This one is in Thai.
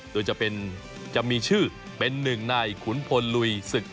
โดยจะมีชื่อเป็นหนึ่งในขุนพลลุยศึก